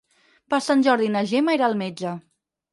Per Sant Jordi na Gemma irà al metge.